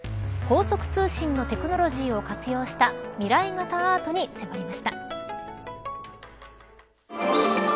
高速通信のテクノロジーを活用した未来型アートに迫りました。